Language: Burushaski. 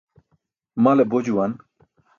Male bo juwan.